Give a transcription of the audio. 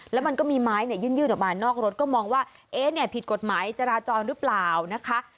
แล้วมันก็มีไม้เนี่ยยื่นออกมานอกรถก็มองว่าเอ๊ะเนี่ยผิดกฎหมายจราจรหรือเปล่านะคะ